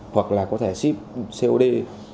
hoặc là có thể xếp xe ô đê